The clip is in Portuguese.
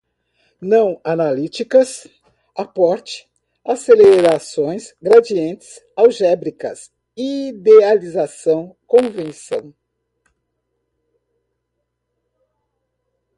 não-analíticas, aporte, acelerações, gradientes, algébricas, idealização, convecção